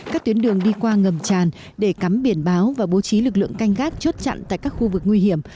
các tuyến đường đi qua ngầm tràn để cắm biển báo và bố trí lực lượng canh gác chốt chặn tại các khu vực nguy hiểm